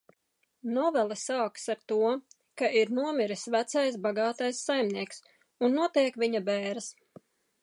Novele sākas ar to, ka ir nomiris vecais, bagātais saimnieks un notiek viņa bēres.